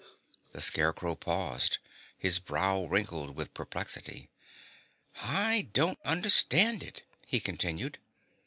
The Scarecrow paused, his brow wrinkled with perplexity. "I don't understand it," he continued.